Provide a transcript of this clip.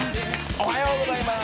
おはようございます。